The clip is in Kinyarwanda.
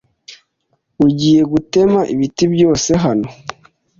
Ugiye gutema ibiti byose hano?